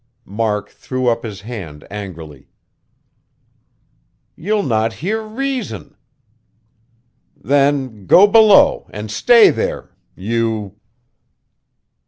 Mark threw up his hand angrily. "You'll not hear reason. Then go below, and stay there. You...."